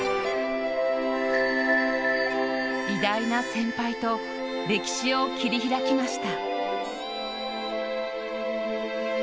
偉大な先輩と歴史を切り開きました。